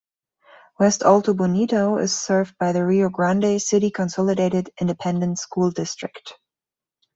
West Alto Bonito is served by the Rio Grande City Consolidated Independent School District.